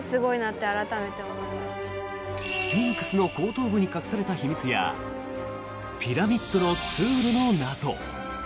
スフィンクスの後頭部に隠された秘密やピラミッドの通路の謎。